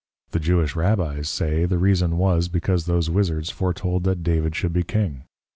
The Jewish Rabbies say, the reason was, because those Wizzards foretold that David should be King.